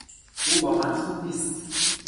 او با من خوب نیست.